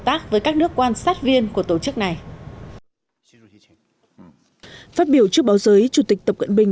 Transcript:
tác với các nước quan sát viên của tổ chức này phát biểu trước báo giới chủ tịch tập cận bình